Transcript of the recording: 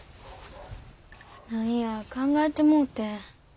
何や考えてもうてん。